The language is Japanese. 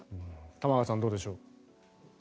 玉川さん、どうでしょう。